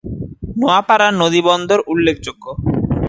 নওয়াপাড়ার নদীবন্দর উল্লেখযোগ্য।